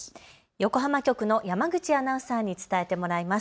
横浜局の山口アナウンサーに伝えてもらいます。